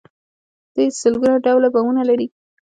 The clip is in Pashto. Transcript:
دوی سلګونه ډوله بمونه لري.